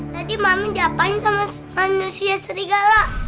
tadi maman diapain sama manusia serigala